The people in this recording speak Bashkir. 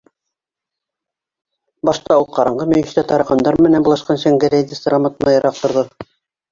Башта ул ҡараңғы мөйөштә тараҡандар менән булашҡан Шәңгәрәйҙе сырамытмайы- раҡ торҙо.